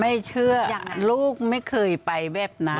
ไม่เชื่อลูกไม่เคยไปแบบนั้น